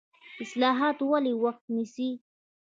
اصلاحات ولې وخت نیسي؟